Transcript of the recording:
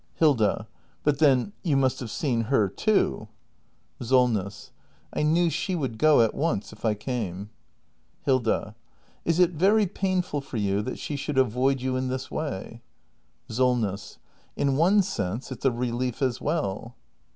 Hilda. But then you must have seen her too? 398 THE MASTER BUILDER [act hi SOLNESS. I knew she would go at once if I came. Hilda. Is it very painful for you that she should avoid you in this way ? Solness. In one sense, it's a relief as well.